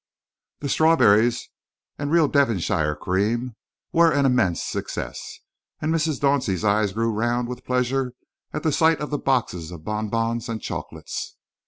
The strawberries and real Devonshire cream were an immense success, and Mrs. Dauncey's eyes grew round with pleasure at the sight of the boxes of bonbons and chocolates.